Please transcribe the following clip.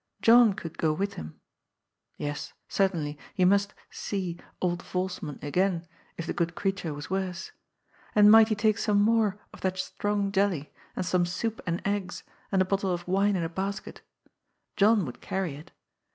John could go with him. Yes, cer tainly, he must " see " old Volsman again, if the good creat ure was worse. And might he take some more of that TWO BROTHERS IN MISFORTUNE. 261 strong jelly, and some sonp and eggs, and a bottle of wine in a basket? John would carry it.